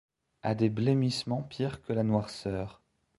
A des blêmissements pires que la noirceur.